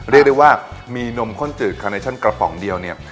เรียกได้ว่ามีนมข้นจืดคาเนชั่นกระป๋องเดียวเนี่ย